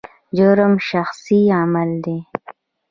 جرم شخصي عمل دی.